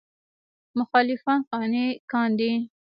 مخالفان قانع کاندي.